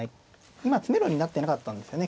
今詰めろになってなかったんですよね